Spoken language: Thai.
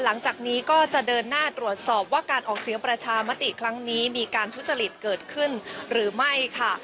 หลังจากนี้ก็จะเดินหน้าตรวจสอบว่าการออกเสียงประชามติครั้งนี้มีการทุจริตเกิดขึ้นหรือไม่ค่ะ